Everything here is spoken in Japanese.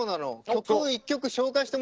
曲を１曲紹介してもらえない？